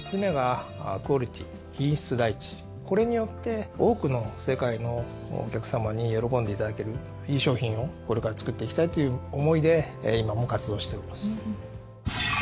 これによって多くの世界のお客さまに喜んでいただけるいい商品をこれから作っていきたいという思いで今も活動しております。